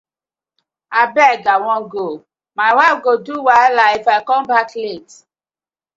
Abeg I wan go, my wife go do wahala If com back late.